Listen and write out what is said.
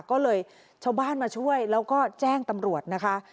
ก็เลยชาวบ้านมาช่วยแล้วก็แจ้งตำรวจนะคะ